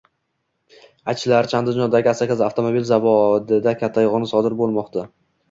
Aytishlaricha, Andijondagi Asaka avtomobil zavodida katta yong'in sodir bo'lmoqda 🔥🔥🔥